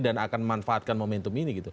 dan akan memanfaatkan momentum ini